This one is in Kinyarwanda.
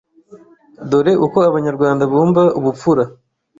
Dore uko Abanyarwanda bumva ubupfura: